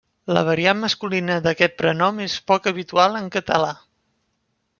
La variant masculina d'aquest prenom és poc habitual en català.